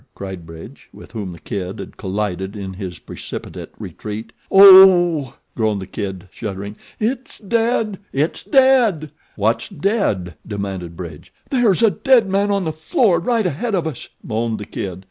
cried Bridge, with whom The Kid had collided in his precipitate retreat. "O o o!" groaned The Kid, shuddering. "It's dead! It's dead!" "What's dead?" demanded Bridge. "There's a dead man on the floor, right ahead of us," moaned The Kid.